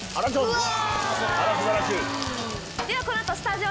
うわ！